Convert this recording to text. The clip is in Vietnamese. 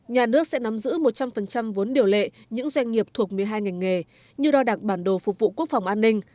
nhà nước sẽ nắm giữ một trăm linh vốn điều lệ những doanh nghiệp thuộc một mươi hai ngành nghề như đo đạc bản đồ phục vụ quốc phòng an ninh